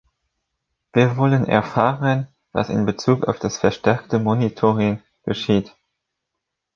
Wir wollen erfahren, was in Bezug auf das verstärkte Monitoring geschieht.